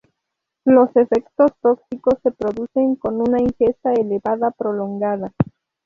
Los efectos tóxicos se producen con una ingesta elevada prolongada.